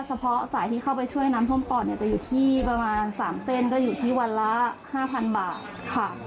ก็เฉพาะสายที่เข้าไปช่วยน้ำท่มปอดจะอยู่ที่ประมาณ๓เซนติก็อยู่ที่วันละ๕๐๐๐บาท